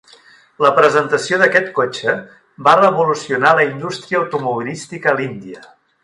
La presentació d'aquest cotxe va revolucionar la indústria automobilística a l'Índia.